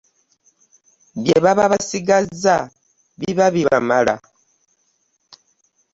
Bye baba basigazza biba bimala.